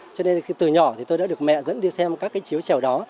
cho nên từ nhỏ thì tôi đã được mẹ dẫn đi xem các chiếu trèo đó